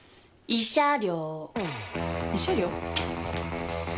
慰謝料？